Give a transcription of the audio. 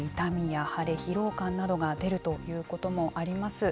痛みや腫れ疲労感などが出るということもあります。